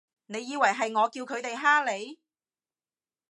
你以為係我叫佢哋㗇你？